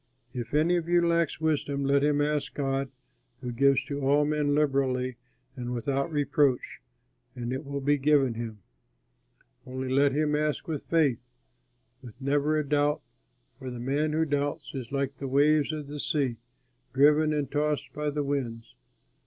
If any of you lacks wisdom, let him ask God who gives to all men liberally and without reproach, and it will be given him. Only let him ask with faith, with never a doubt, for the man who doubts is like the waves of the sea, driven and tossed by the winds.